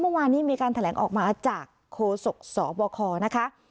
เมื่อวานนี้มีการแถลงออกมาจากโคศกสบคนะคะ